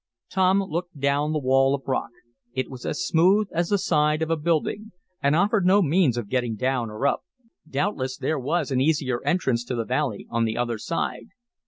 Tom looked down the wall of rock. It was as smooth as the side of a building, and offered no means of getting down or up. Doubtless there was an easier entrance to the valley on the other side.